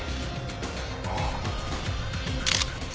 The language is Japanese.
ああ。